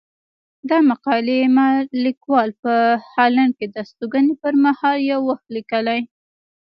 دا مقالې ما ليکوال په هالنډ کې د استوګنې پر مهال يو وخت ليکلي.